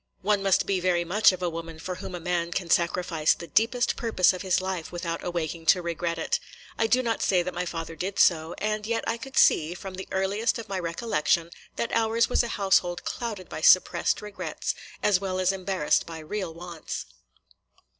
One must be very much of a woman for whom a man cam sacrifice the deepest purpose of his life without awaking to regret it. I do not say that my father did so; and yet I could see, from the earliest of my recollection, that ours was a household clouded by suppressed regrets, as well as embarrassed by real wants.